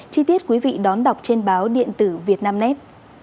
chi tiết quý vị đón đọc trên báo điện tử việt nam nét